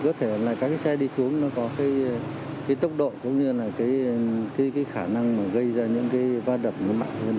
có thể là các cái xe đi xuống nó có cái tốc độ cũng như là cái khả năng mà gây ra những cái va đập nó mạnh hơn